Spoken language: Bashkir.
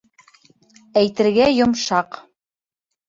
Әйтергә йомшаҡ.